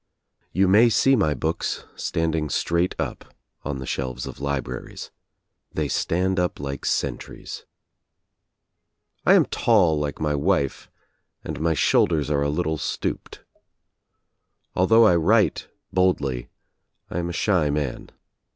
You may see my books standing straight up on the shelves of libraries. They stand up like sentries. 57 THE TRIUMPH OF THE EGG I am tall like my wife and my shoulders are a little stooped. Although I write boldly I am a shy man.